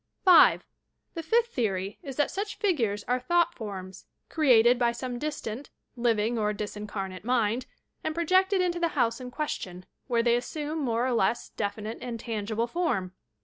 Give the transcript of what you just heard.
5, The fifth theory is that such figures are thought forms, created by some distant, living or disearnate mind, and projected into the house in question, where they assume more or less definite and tangible form.